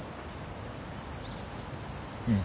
うん。